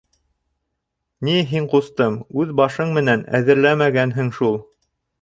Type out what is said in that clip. — Ни, һин, ҡустым, үҙ башың менән әҙерләмәгәнһең шул.